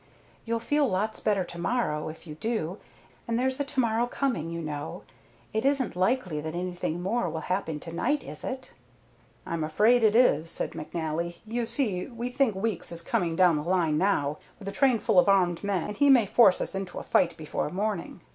You'll feel lots better to morrow, if you do, and there's a to morrow coming, you know. It isn't likely that anything more will happen tonight, is it?" "I'm afraid it is," said McNally. "You see we think Weeks is coming down the line now, with a trainful of armed men, and he may force us into a fight before morning."